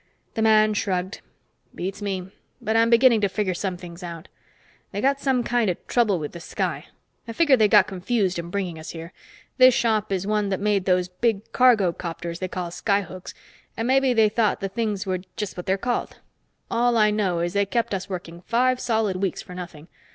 The man shrugged. "Beats me. But I'm beginning to figure some things out. They've got some kind of trouble with the sky. I figure they got confused in bringing us here. This shop is one that made those big cargo copters they call 'Sky Hooks' and maybe they thought the things were just what they're called. All I know is they kept us working five solid weeks for nothing.